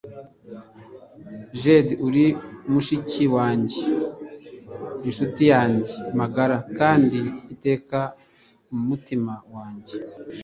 Jade uri mushiki wanjye inshuti yanjye magara kandi iteka mumutima wanjye